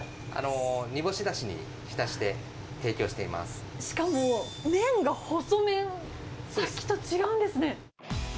煮干しだしに浸して提供してしかも麺が細麺、さっきと違うんですね。